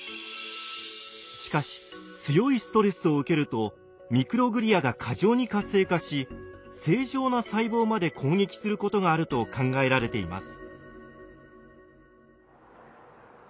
しかし強いストレスを受けるとミクログリアが過剰に活性化し正常な細胞まで攻撃することがあると考えられています。